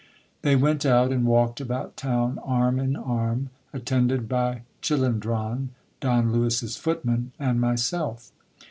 They went out and walked about town arm in arm, attended by Chilindron, Don Lewis's footman, and myself.